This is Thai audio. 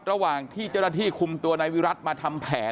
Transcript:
ระหว่างเจ้าหน้าที่คุมตัวในวิรัฐมาทำแผน